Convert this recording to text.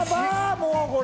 もうこれ。